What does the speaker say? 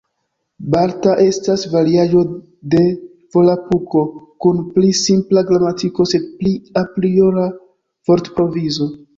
Balta estas variaĵo de Volapuko kun pli simpla gramatiko, sed pli apriora vortprovizo.